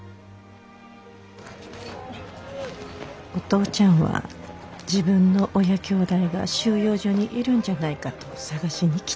お父ちゃんは自分の親きょうだいが収容所にいるんじゃないかと捜しに来てた。